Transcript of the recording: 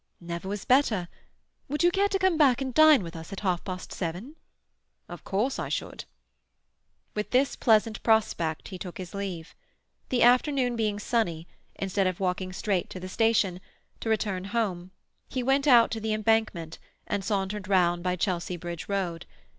"Never was better. Would you care to come back and dine with us at half past seven?" "Of course I should." With this pleasant prospect he took his leave. The afternoon being sunny, instead of walking straight to the station, to return home, he went out on to the Embankment, and sauntered round by Chelsea Bridge Road.